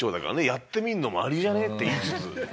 やってみるのもありじゃね？って言いつつ。